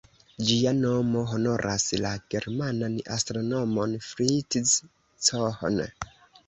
Ĝia nomo honoras la germanan astronomon Fritz Cohn.